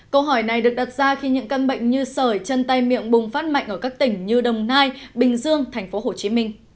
câu hỏi này được đặt ra khi những căn bệnh như sởi chân tay miệng bùng phát mạnh ở các tỉnh như đồng nai bình dương tp hcm